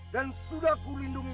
dan sudah kulindungi